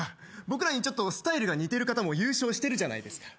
僕らにちょっとスタイルが似てる方も優勝してるじゃないですか。